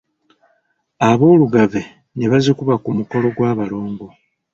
Aboolugave ne bazikuba ku mukolo gw’abalongo.